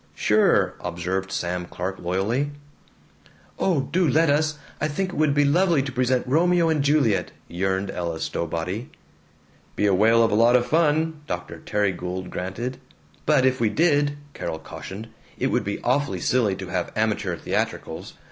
"Sure," observed Sam Clark loyally. "Oh, do let us! I think it would be lovely to present 'Romeo and Juliet'!" yearned Ella Stowbody. "Be a whale of a lot of fun," Dr. Terry Gould granted. "But if we did," Carol cautioned, "it would be awfully silly to have amateur theatricals.